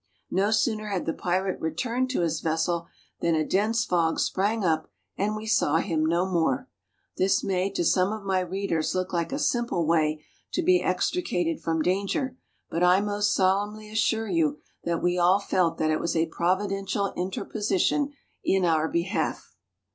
No sooner had the pirate returned to his vessel than a dense fog sprang up and we saw him no more. This may to some of my readers look like a simple way to be extricated from danger, but I most solemnly assure you that we all felt that it was a providential interposition in our behalf.